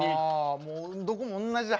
もうどこも同じじゃ。